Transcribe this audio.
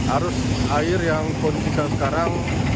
arus air yang kondisikan sekarang